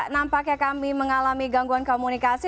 nampaknya kami mengalami gangguan komunikasi